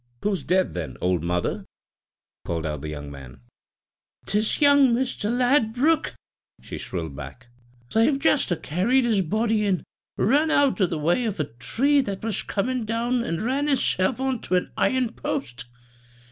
"Who's dead, then, old Mother?" called out the young man. "'Tis young Mister Ladbruk," she shrilled back; "they've just a carried his body in. Run out of the way of a tree that was coming down an' ran hisself on to an iron post.